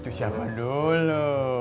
itu siapa dulu